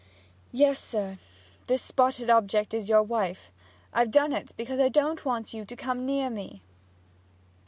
'Yes, sir. This spotted object is your wife! I've done it because I don't want you to come near me!'